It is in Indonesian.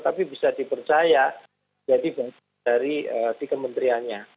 tapi bisa dipercaya jadi bantuan dari di kementeriannya